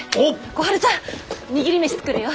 小春ちゃん握り飯作るよ！